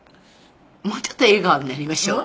「もうちょっと笑顔になりましょうか」